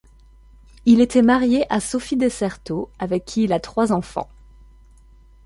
Il était marié à Sophie Desserteaux, avec qui il a trois enfants.